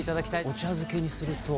お茶漬けにすると。